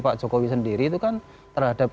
pak jokowi sendiri itu kan terhadap